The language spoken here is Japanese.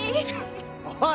おい！